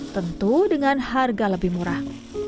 tentu dengan harga lebih murah